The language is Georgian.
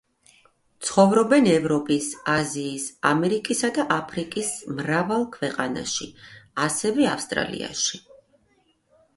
ცხოვრობენ ევროპის, აზიის, ამერიკისა და აფრიკის მრავალ ქვეყანაში, ასევე ავსტრალიაში.